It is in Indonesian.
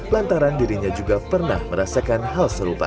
lantaran dirinya juga pernah merasakan hal serupa